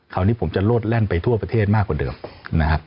คราวนี้ผมจะโลดแล่นไปทั่วประเทศมากกว่าเดิมนะครับ